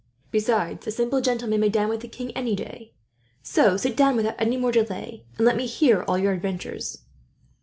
Besides, a simple gentleman may dine with the king, any day. So sit down without any more delay, and let me hear all your adventures."